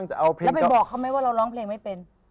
แล้วไปบอกเขาไหมว่าเราร้องเพลงไม่เป็น